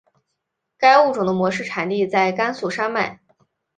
该物种的模式产地在甘肃山脉。